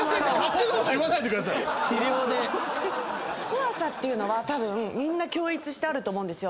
怖さっていうのはたぶんみんなあると思うんですよ。